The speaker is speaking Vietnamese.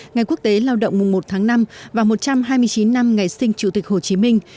ngày quốc tế lao động mùng một tháng năm và một trăm hai mươi chín năm ngày sinh chủ tịch hồ chí minh